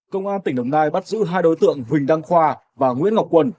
công an tỉnh đồng nai bắt giữ hai đối tượng huỳnh đăng khoa và nguyễn ngọc quân